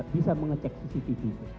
bisa mengecek cctv nya